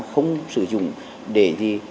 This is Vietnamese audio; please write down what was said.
không sử dụng để